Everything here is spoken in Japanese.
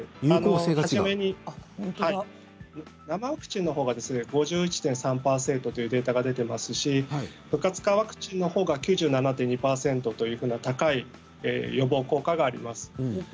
初めに生ワクチンのほうは５１．３％というデータが出ていますし不活化ワクチンのほうは９７．２％というふうに高い予防効果があります。